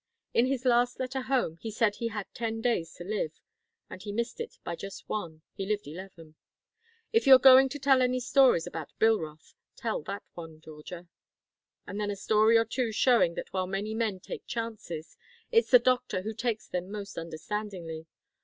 In his last letter home, he said he had ten days to live and he missed it by just one; he lived eleven. If you're going to tell any stories about Bilroth, tell that one, Georgia. And then a story or two showing that while many men take chances, it's the doctor who takes them most understandingly.